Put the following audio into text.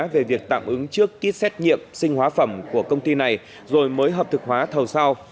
về việc tạm ứng trước kýt xét nghiệm sinh hóa phẩm của công ty này rồi mới hợp thực hóa thầu sau